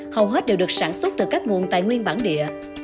hầu hết đều được sản xuất từ các nguồn tài nguyên bản địa